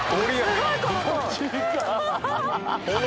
すごいこの子すご